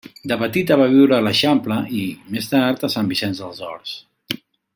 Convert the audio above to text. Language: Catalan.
De petita va viure a l'Eixample i, més tard, a Sant Vicenç dels Horts.